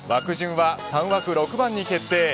枠順は３枠６番に決定。